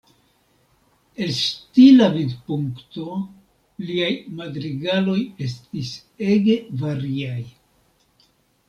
El stila vidpunkto liaj madrigaloj estis ege variaj.